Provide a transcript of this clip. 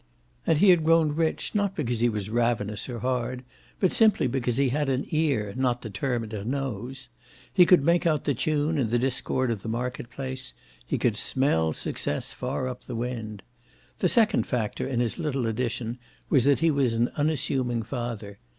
And he had grown rich not because he was ravenous or hard, but simply because he had an ear, not to term it a nose. He could make out the tune in the discord of the market place; he could smell success far up the wind. The second factor in his little addition was that he was an unassuming father.